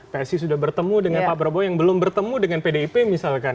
psi sudah bertemu dengan pak prabowo yang belum bertemu dengan pdip misalkan